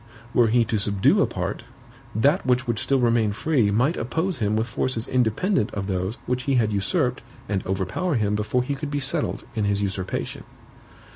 Were he to subdue a part, that which would still remain free might oppose him with forces independent of those which he had usurped and overpower him before he could be settled in his usurpation."